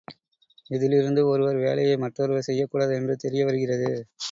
இதிலிருந்து ஒருவர் வேலையை மற்றொருவர் செய்யக் கூடாது என்று தெரியவருகிறது.